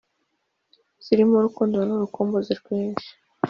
zirimo urukundo n’urukumbuzi rwinshi